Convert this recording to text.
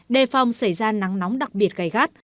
đề phòng xảy ra nắng nóng đặc biệt gây gắt